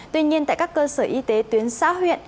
tuy nhiên tại các cơ sở y tế tuyến xã huyện